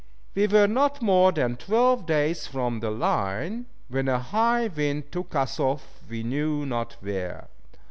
We were not more than twelve days from the Line, when a high wind took us off we knew not where.